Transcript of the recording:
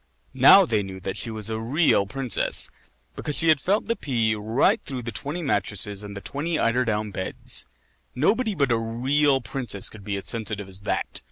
Now they knew that she was a real princess because she had felt the pea right through the twenty mattresses and the twenty eider down beds. Nobody but a real princess could be as sensitive as that.